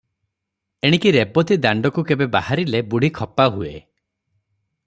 ଏଣିକି ରେବତୀ ଦାଣ୍ଡକୁ କେବେ ବାହାରିଲେ ବୁଢ଼ୀ ଖପା ହୁଏ।